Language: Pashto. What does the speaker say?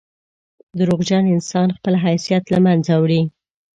• دروغجن انسان خپل حیثیت له منځه وړي.